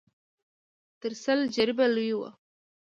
تر سل جريبه لوى و.